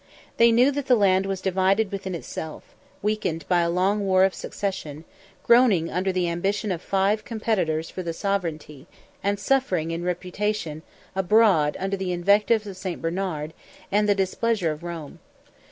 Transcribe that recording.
They knew that the land was divided within itself, weakened by a long war of succession; groaning under the ambition of five competitors for the sovereignty; and suffering in reputation abroad under the invectives of Saint Bernard, and the displeasure of Rome.